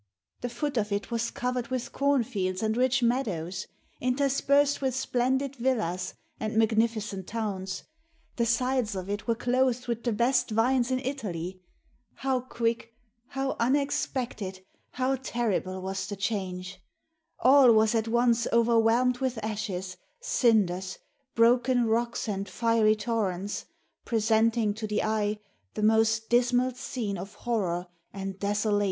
The foot of it was covered with cornfields and rich meadows, interspersed with splendid villas and magnificent towns; the sides of it were clothed with the best vines in Italy. How quick, how unexpected, how terrible was the change! All was at once overwhelmed with ashes, cinders, broken rocks, and fiery torrents, presenting to the eye the most dismal scene of horror and desolation!